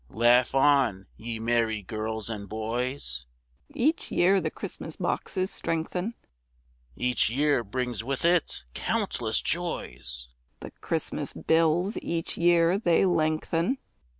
_) Laugh on, ye merry girls and boys! (Each year the Christmas boxes strengthen,) Each year brings with it countless joys; (_The Christmas bills each year they lengthen.